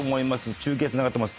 中継つながってます。